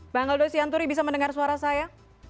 bang aldo sianturi bisa mendengar suara saya